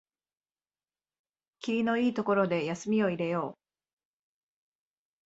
きりのいいところで休みを入れよう